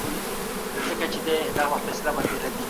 د وچولو پرمختللي ماشینونه کارول کېږي.